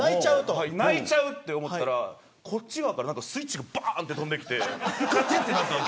泣いちゃうと思ったらこっち側からスイッチがばーんって飛んできて。